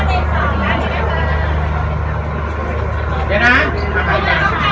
ขอบคุณค่ะ